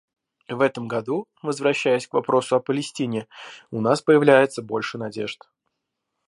В этом году, возвращаясь к вопросу о Палестине, у нас появляется больше надежд.